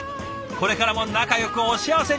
これからも仲よくお幸せに！